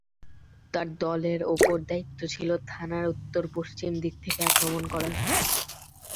তার দলের ওপর দায়িত্ব ছিল থানার উত্তর-পশ্চিম দিক থেকে আক্রমণ করার।